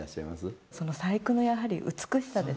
その細工のやはり美しさですね。